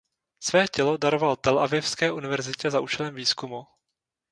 Své tělo daroval Telavivské univerzitě za účelem výzkumu.